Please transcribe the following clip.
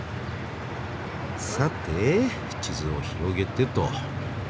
さて地図を広げてと。